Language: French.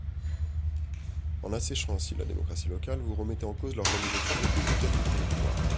En asséchant ainsi la démocratie locale, vous remettez en cause l’organisation républicaine des territoires.